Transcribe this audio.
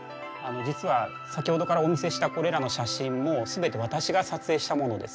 実は先ほどからお見せしたこれらの写真も全て私が撮影したものです。